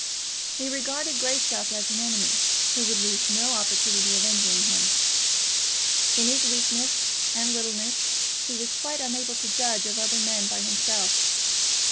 He regarded Greystock as an enemy who would lose no opportunity of injuring him. In his weakness and littleness he was quite unable to judge of other men by himself.